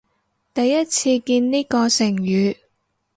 第一次見呢個成語